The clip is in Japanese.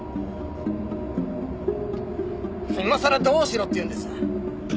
今さらどうしろって言うんです？